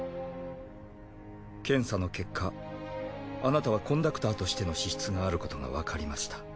検査の結果あなたはコンダクターとしての資質があることがわかりました。